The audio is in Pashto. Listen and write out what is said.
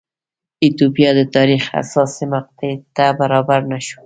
ایتوپیا د تاریخ حساسې مقطعې ته برابر نه شو.